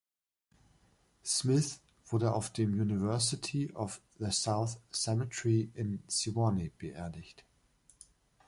Smith wurde auf dem "University of the South Cemetery" in Sewanee beerdigt.